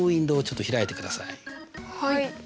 はい。